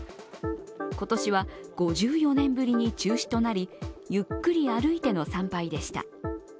今年は５４年ぶりに中止となりゆっくり歩いての参拝でした。